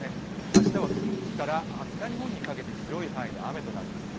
明日は近畿から北日本にかけて広い範囲で雨となります。